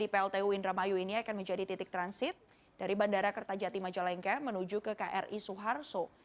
pltu indramayu ini akan menjadi titik transit dari bandara kertajati majalengka menuju ke kri suharto